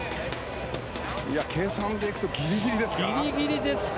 計算でいくとギリギリですか。